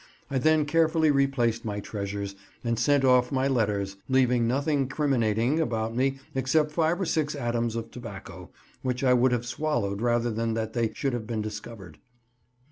I then carefully replaced my treasures, and sent off my letters, leaving nothing criminating about me except five or six atoms of tobacco, which I would have swallowed rather than that they should have been discovered.